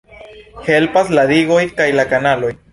Helpas la digoj kaj la kanaloj.